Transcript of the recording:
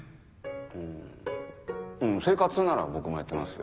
うん生活なら僕もやってますよ。